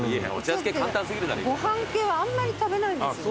ご飯系はあんまり食べないんですね。